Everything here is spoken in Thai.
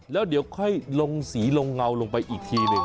แล้วเดี๋ยวค่อยลงสีลงเงาลงไปอีกทีหนึ่ง